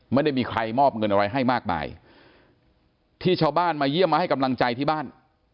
ไม่ได้มีใครมอบเงินอะไรให้มากมายที่ชาวบ้านมาเยี่ยมมาให้กำลังใจที่บ้าน